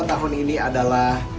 dan tema tahun ini adalah